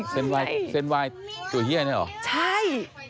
แสดงวายตัวเฮี่ยใช่ไหมใช่